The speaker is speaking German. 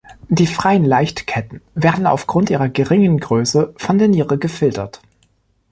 Die freien Leichtketten werden aufgrund ihrer geringen Größe von der Niere gefiltert.